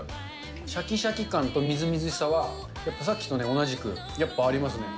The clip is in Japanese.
しゃきしゃき感とみずみずしさは、やっぱさっきの同じく、やっぱありますね。